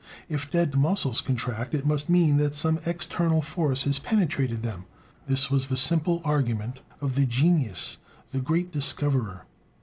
"If dead muscles contract, it must mean that some external force has penetrated them." This was the simple argument of the "genius," the "great discoverer."